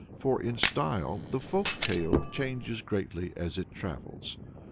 For in style the folk tale changes greatly as it travels.